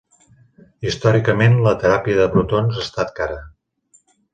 Històricament, la teràpia de protons ha estat cara.